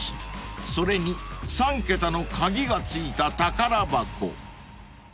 ［それに３桁の鍵が付いた宝箱］